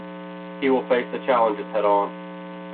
We will face the challenges head-on.